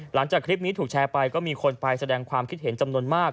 หลังจากคลิปนี้ถูกแชร์ไปก็มีคนไปแสดงความคิดเห็นจำนวนมาก